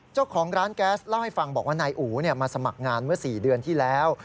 เจ้าของร้านแก๊สเล่าให้ฟังบอกว่านายอู๋มาสมัครงานเมื่อ๔เดือนที่แล้ว